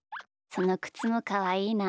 そのくつもかわいいな。